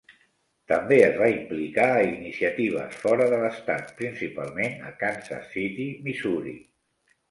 També es va implicar a iniciatives fora de l'estat, principalment a Kansas City, Missouri.